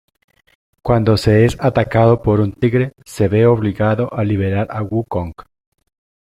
Cuando es atacado por un tigre, se ve obligado a liberar a Wukong.